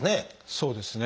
そうですね。